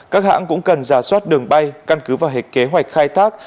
các hãng cũng cần giả soát đường bay căn cứ vào hệ kế hoạch khai thác